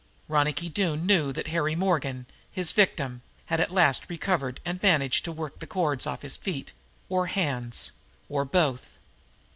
Ronicky Doone knew that Harry Morgan, his victim, had at last recovered and managed to work the cords off his feet or hands, or both.